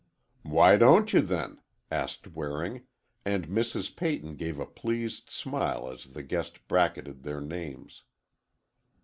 "Why don't you, then?" asked Waring, and Mrs. Peyton gave a pleased smile as the guest bracketed their names.